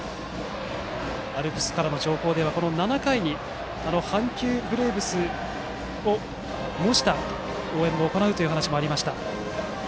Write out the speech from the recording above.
アルプスからの情報では７回に阪急ブレーブスを模した応援も行うという話もありました。